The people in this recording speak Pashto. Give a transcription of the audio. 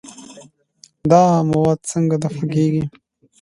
دا مواد څنګه دفع کېږي؟